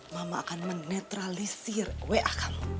mama akan menetralisir wa kamu